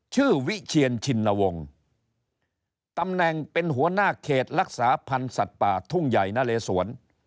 วิเชียนชินวงศ์ตำแหน่งเป็นหัวหน้าเขตรักษาพันธ์สัตว์ป่าทุ่งใหญ่นะเลสวน